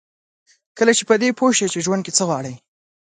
کله چې په دې پوه شئ چې ژوند کې څه غواړئ.